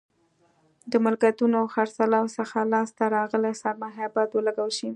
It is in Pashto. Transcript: د ملکیتونو خرڅلاو څخه لاس ته راغلې سرمایه باید ولګول شي.